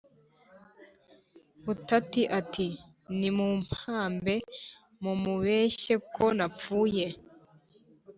Butati ati: “Nimumpambe, mumubeshye ko napfuye